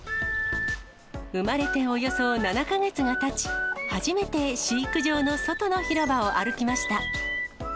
生まれておよそ７か月がたち、初めて飼育場の外の広場を歩きました。